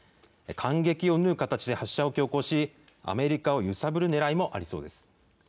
間隙を縫う形で発射を強行し、アメリカを揺さぶるねらいもありそうです。